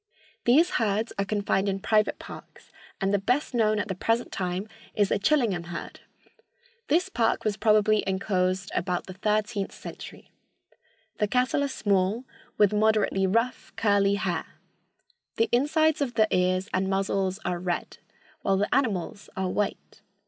These herds are confined in private parks, and the best known at the present time is the Chillingham herd. This park was probably inclosed about the thirteenth century. The cattle are small, with moderately rough, curly hair. The insides of the ears and muzzles are red, while the animals are white.